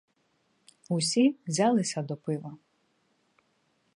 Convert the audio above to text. Усі взялися до пива.